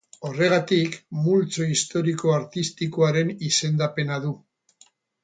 Horregatik multzo historiko-artistikoaren izendapena du.